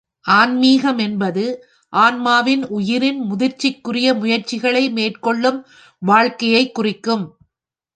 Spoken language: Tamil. ஆன்மீகம் என்பது ஆன்மாவின் உயிரின் முதிர்ச்சிக்குரிய முயற்சிகளை மேற்கொள்ளும் வாழ்க்கையைக் குறிக்கும்.